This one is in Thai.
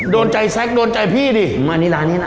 โดนใจแซ็คโดนใจพี่ดิไม่อันนี้ร้านนี้อ่ะ